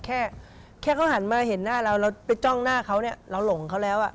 แค่แค่เขาหันมาเห็นหน้าเราเราไปจ้องหน้าเขาเนี่ยเราหลงเขาแล้วอ่ะ